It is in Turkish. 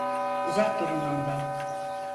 Uzak durun ondan!